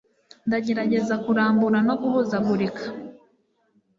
Ndagerageza kurambura no guhuzagurika